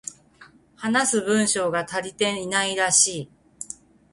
話す文章が足りていないらしい